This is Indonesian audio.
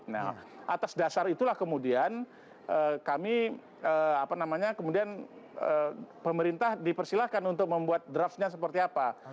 nah atas dasar itulah kemudian kami apa namanya kemudian pemerintah dipersilahkan untuk membuat draftnya seperti apa